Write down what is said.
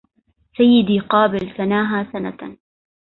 سيدي قابل سناها سنة